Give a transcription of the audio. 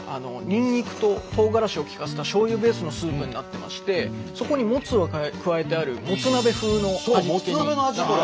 にんにくととうがらしを利かせたしょうゆベースのスープになってましてそこにもつを加えてあるもつ鍋風の味付けに。